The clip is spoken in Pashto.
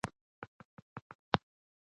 هغه د کورني چاپیریال د ښه والي لپاره هڅه کوي.